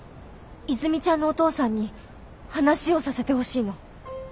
和泉ちゃんのお父さんに話をさせてほしいの。